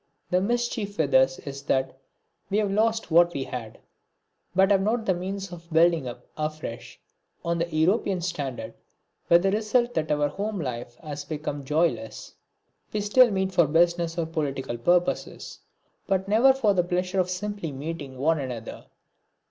The mischief with us is that we have lost what we had, but have not the means of building up afresh on the European standard, with the result that our home life has become joyless. We still meet for business or political purposes, but never for the pleasure of simply meeting one another.